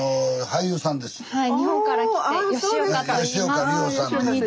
はい日本から来て吉岡さん。